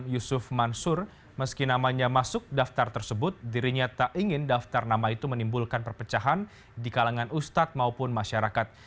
yusuf mansur meski namanya masuk daftar tersebut dirinya tak ingin daftar nama itu menimbulkan perpecahan di kalangan ustadz maupun masyarakat